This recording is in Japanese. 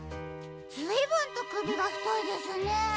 ずいぶんとくびがふといですね。